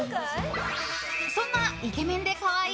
そんなイケメンで可愛い